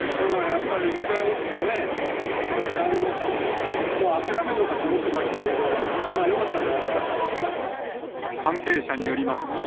やっぱり２回落ちてね、もう諦めるのかと思ってましたけど、よかったんじゃないですか。